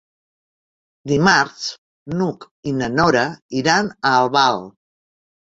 Dimarts n'Hug i na Nora iran a Albal.